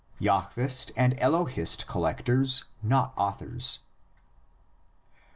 "jahvist" and "elohist" collectors, not authors.